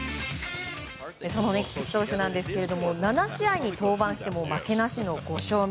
その菊池投手なんですが７試合に登板しても負けなしの５勝目。